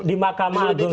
di mahkamah agung